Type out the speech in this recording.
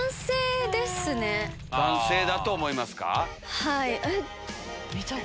男性だと思いますか。